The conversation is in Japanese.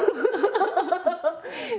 ハハハハ！